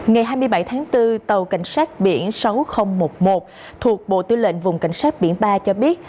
ngày hai mươi bảy tháng bốn tàu cảnh sát biển sáu nghìn một mươi một thuộc bộ tư lệnh vùng cảnh sát biển ba cho biết